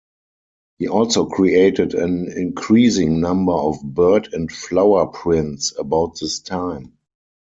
He also created an increasing number of bird and flower prints about this time.